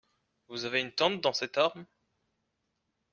Vous avez une tante dans cette arme ?